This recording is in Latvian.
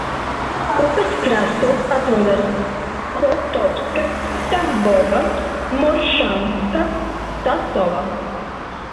Upes krastos atrodas Kotovska, Tambova, Moršanska, Sasova.